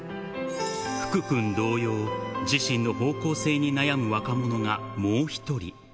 福君同様、自身の方向性に悩む若者が、もう１人。